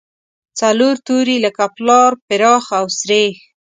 څلور توري لکه پلار، پراخ او سرېښ.